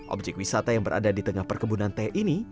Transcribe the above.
objek wisata yang berada di tengah perkebunan teh ini